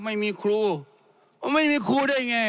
ไม่มีครูไม่มีครูได้ไง